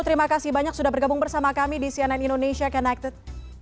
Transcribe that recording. terima kasih banyak sudah bergabung bersama kami di cnn indonesia connected